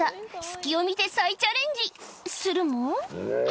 隙を見て再チャレンジするも。